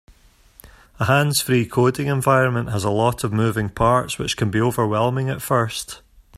A hands-free coding environment has a lot of moving parts, which can be overwhelming at first.